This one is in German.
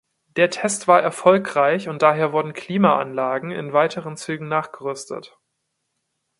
Der Test war erfolgreich und daher wurden Klimaanlagen in weiteren Zügen nachgerüstet.